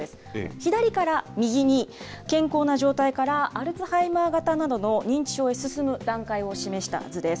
左から右に、健康な状態からアルツハイマー型などの認知症へ進む段階を示した図です。